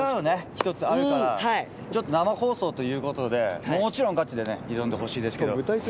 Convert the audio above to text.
ひとつあるから生放送ということでもちろんガチでね挑んでほしいですけど。